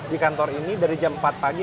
di kantor ini dari jam empat pagi